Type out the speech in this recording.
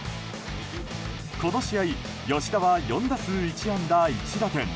この試合、吉田は４打数１安打１打点。